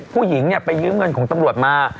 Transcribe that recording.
ผู้หญิงเนี่ยไปยืมเงินของตำรวจมา